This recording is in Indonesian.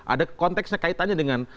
ada konteksnya kaitannya dengan